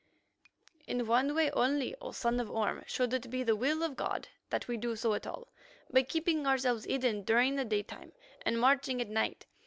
"In one way only, O son of Orme, should it be the will of God that we do so at all; by keeping ourselves hidden during the daytime and marching at night.